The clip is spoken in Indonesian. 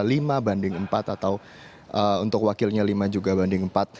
lima banding empat atau untuk wakilnya lima juga banding empat